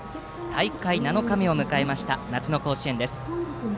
大会７日目を迎えました夏の甲子園です。